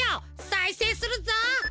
さいせいするぞ！